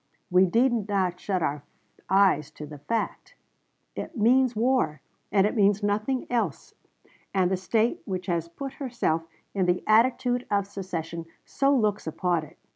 We need not shut our eyes to the fact. It means war, and it means nothing else; and the State which has put herself in the attitude of secession so looks upon it....